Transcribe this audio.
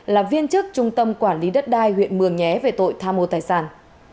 là viên chức trung tâm quản lý đất đai huyện mường nhé về tội tham mô tài sản